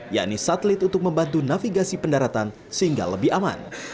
yakni satelit untuk membantu navigasi pendaratan sehingga lebih aman